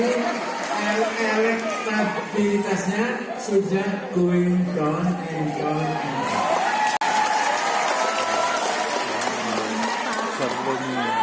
ini elektabitasnya sudah going down